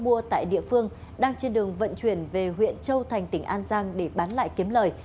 vua tại địa phương đang trên đường vận chuyển về huyện châu thành tỉnh an giang để bán lại kiếm lời